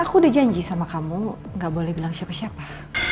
aku udah janji sama kamu gak boleh bilang siapa siapa